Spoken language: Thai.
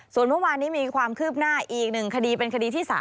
ส่วนเมื่อวานนี้มีความคืบหน้าอีก๑คดีเป็นคดีที่๓